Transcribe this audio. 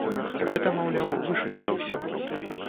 Гэта, маўляў, вышэй за ўсё.